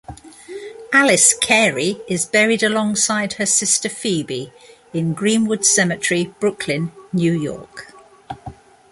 Alice Cary is buried alongside her sister Phoebe in Green-Wood Cemetery, Brooklyn, New York.